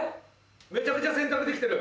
めちゃくちゃ洗濯できてる。